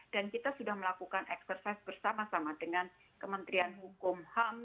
dan kita sudah melakukan eksersis bersama sama dengan kementerian hukum ham